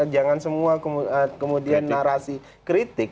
jangan semua kemudian narasi kritik